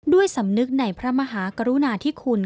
สำนึกในพระมหากรุณาธิคุณ